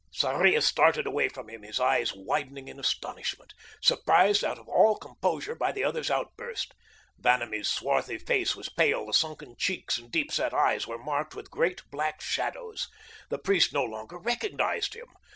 Sarria started away from him, his eyes widening in astonishment, surprised out of all composure by the other's outburst. Vanamee's swarthy face was pale, the sunken cheeks and deep set eyes were marked with great black shadows. The priest no longer recognised him.